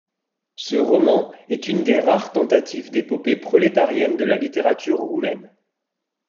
Ce roman est une des rares tentatives d'épopée prolétarienne de la littérature roumaine.